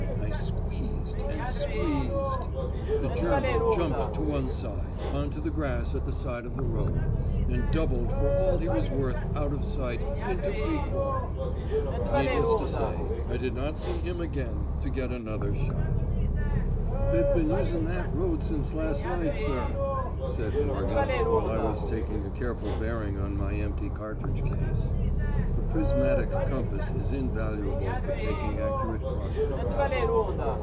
I squeezed, and squeezed The German jumped to one side, on to the grass at the side of the road, and doubled for all he was worth out of sight into Fricourt! Needless to say, I did not see him again to get another shot! "They've been using that road last night, sir," said 58 Morgan, while I was taking a careful bearing on my empty cartridge case. (A prismatic compass is invaluable for taking accurate cross bearings.)